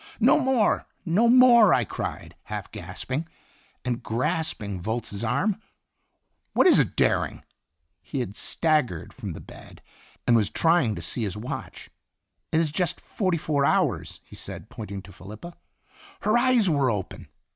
"No more, no more!" I cried, half gasping, and grasping Volz's arm. "What is it, Der ing?" He had staggered from the bed and was try Itinerant ing to see his watch. "It is just forty four hours!" he said, pointing to Felipa. Her eyes were open